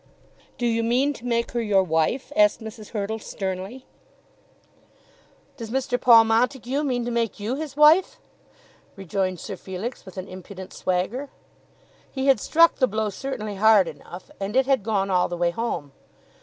"Do you mean to make her your wife?" asked Mrs. Hurtle sternly. "Does Mr. Paul Montague mean to make you his wife?" rejoined Sir Felix with an impudent swagger. He had struck the blow certainly hard enough, and it had gone all the way home.